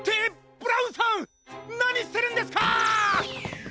ブラウンさんなにしてるんですかっ！